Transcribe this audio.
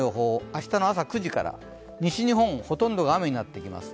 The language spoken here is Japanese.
明日の朝９時から、西日本ほとんどが雨になってきます。